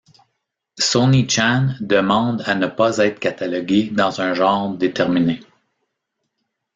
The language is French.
Sony Chan demande à ne pas être cataloguée dans un genre déterminé.